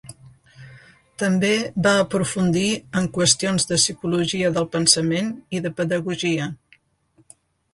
També va aprofundir en qüestions de psicologia del pensament i de pedagogia.